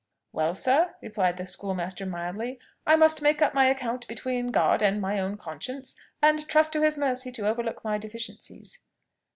"Well, sir," replied the schoolmaster mildly, "I must make up my account between God and my own conscience, and trust to his mercy to overlook my deficiencies."